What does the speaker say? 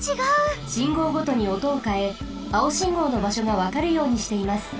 しんごうごとにおとをかえあおしんごうのばしょがわかるようにしています。